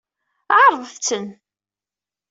Ɛeṛḍet-tent.